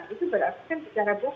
itu berarti kan secara berat